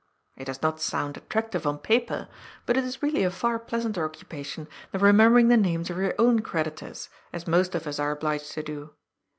It does not sound attractive on paper, but it is really a far pleasanter occupation than remembering the names of your own creditors, as most of us are obliged to do.